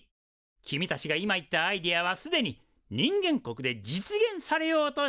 君たちが今言ったアイデアはすでに人間国で実現されようとしているらしい。